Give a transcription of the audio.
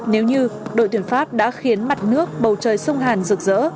nếu như đội tuyển pháp đã khiến mặt nước bầu trời sông hàn rực rỡ